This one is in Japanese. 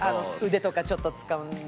腕とかちょっとつかんで。